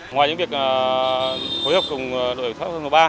ngoài những việc hối hợp cùng đội cảnh sát giao thông đường ba